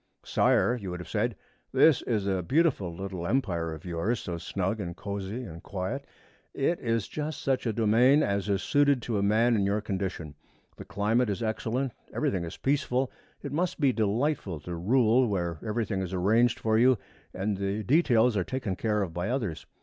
'Sire,' you would have said, 'this is a beautiful little empire of yours, so snug and cosy and quiet. It is just such a domain as is suited to a man in your condition. The climate is excellent. Everything is peaceful. It must be delightful to rule where everything is arranged for you and the details are taken care of by others.